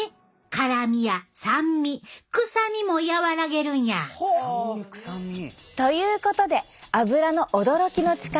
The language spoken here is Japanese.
辛みや酸味臭みも和らげるんや！ということでアブラの驚きの力。